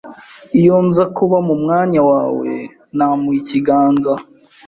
Iyo nza kuba mu mwanya wawe, namuha ikiganza.